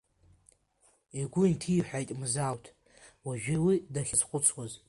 Игәы инҭиҳәааит Мзауҭ уажәы уи дахьазхәыцуаз.